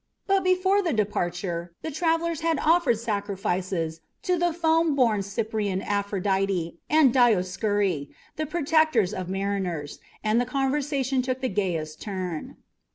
But before the departure the travellers had offered sacrifices to the foam born Cyprian Aphrodite and the Dioscuri, the protectors of mariners, and the conversation took the gayest turn.